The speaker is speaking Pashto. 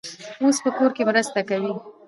اوس په کور کې مرسته کوي.